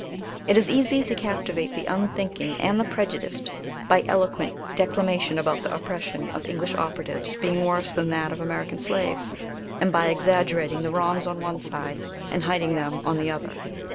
"It is easy to captivate the unthinking and the prejudiced, by eloquent declamation about the oppression of English operatives being worse than that of American slaves, and by exaggerating the wrongs on one side and hiding them on the other.